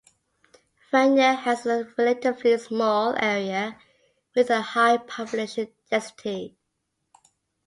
Vanier has a relatively small area with a high population density.